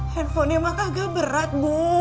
handphone nya mah kagak berat bu